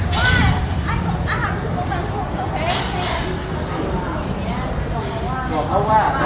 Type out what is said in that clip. ตอนที่สุดมันกลายเป็นสิ่งที่ไม่มีความคิดว่า